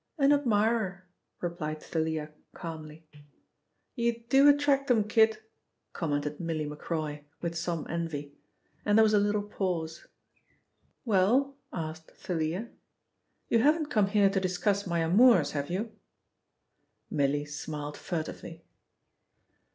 "An admirer," replied Thalia calmly. "You do attract 'em, kid," commented Milly Macroy, with some envy, and there was a little pause. "Well?" asked Thalia. "You haven't come here to discuss my amours, have you?" Milly smiled furtively.